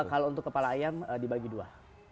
kalau untuk kepala ayam dibagi dua